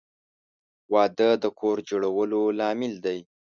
• واده د کور جوړولو لامل دی.